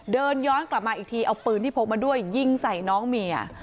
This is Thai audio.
เดินย้อนกลับมาอีกทีเอาปืนที่พกมาด้วยยิงใส่น้องเมีย